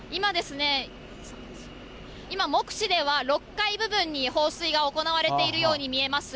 今、目視では６階部分に放水が行われているように見えます。